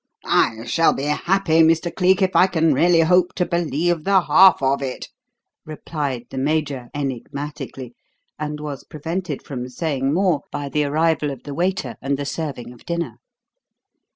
"I shall be happy, Mr. Cleek, if I can really hope to believe the half of it," replied the Major, enigmatically and was prevented from saying more by the arrival of the waiter and the serving of dinner.